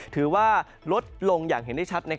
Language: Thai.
ถือว่าลดลงอย่างเห็นได้ชัด